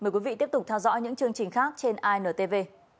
mời quý vị tiếp tục theo dõi những chương trình khác trên intv